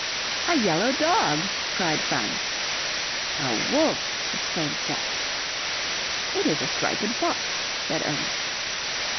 "A yellow dog!" cried Franz. "A wolf!" exclaimed Jack. "It is a striped fox," said Ernest.